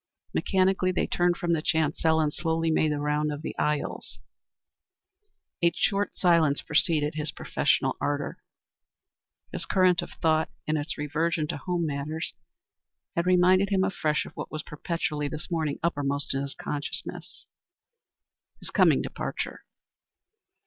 Mechanically, they turned from the chancel and slowly made the round of the aisles. A short silence succeeded his professional ardor. His current of thought, in its reversion to home matters, had reminded him afresh of what was perpetually this morning uppermost in his consciousness his coming departure.